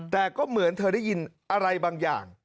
แต่ก็เหมือนเธอได้ยินอะไรบางอย่าง